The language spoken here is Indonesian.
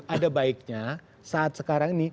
ada baiknya saat sekarang ini